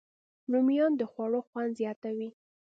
رومیان د خوړو خوند زیاتوي